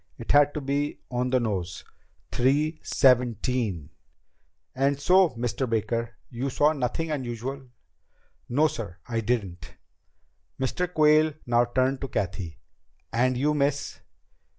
It had to be on the nose. Three seventeen! "And so, Mr. Baker, you saw nothing unusual?" "No, sir, I didn't." Mr. Quayle now turned to Cathy. "And you, miss?"